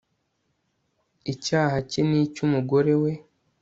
icyaha cye ni cy'umugore we